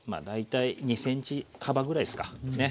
大体２ｃｍ幅ぐらいですか。